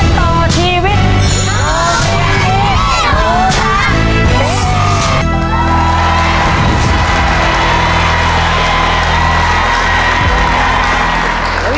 เกมต่อชีวิตโรงเรียนนี้หนูรักเกมต่อชีวิต